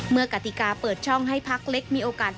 กติกาเปิดช่องให้พักเล็กมีโอกาส